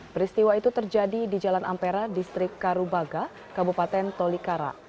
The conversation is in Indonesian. peristiwa itu terjadi di jalan ampera distrik karubaga kabupaten tolikara